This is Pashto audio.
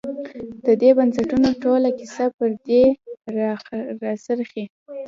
د دې بنسټونو ټوله کیسه پر دې راڅرخي.